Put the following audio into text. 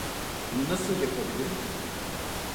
Bunu nasıl yapabilirim?